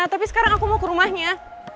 tapi sekarang aku mau ke rumahnya